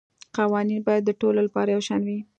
قوانین باید د ټولو لپاره یو شان وي